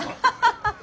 ハハハハ。